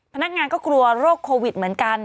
พนักงานก็กลัวโรคโควิดเหมือนกัน